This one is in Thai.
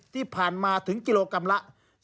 ที่ผ่านมาถึงกิโลกรัมละ